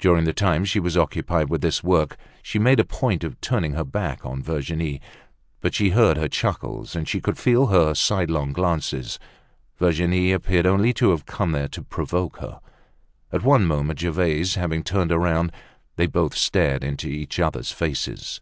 During the time she was occupied with this work, she made a point of turning her back on Virginie. But she heard her chuckles; she could feel her sidelong glances. Virginie appeared only to have come there to provoke her. At one moment, Gervaise having turned around, they both stared into each other's faces.